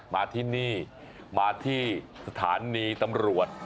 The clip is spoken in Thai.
มาที่นี่มาที่สถานีตำรวจ